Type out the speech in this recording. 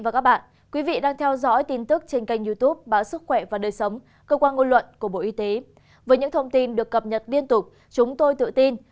cảm ơn các bạn đã theo dõi